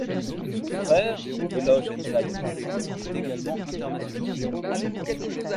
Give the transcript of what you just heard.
Son frère, Eloge Enza-Yamissi, est également international.